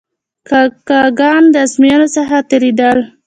کاکه ګان د آزموینو څخه تیرېدل.